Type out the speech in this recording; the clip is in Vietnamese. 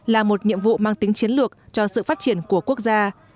là một nhiệm vụ mang tính chiến lược cho sự phát triển của quốc gia